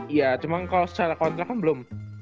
iya cuman kalau secara kontrak kan belum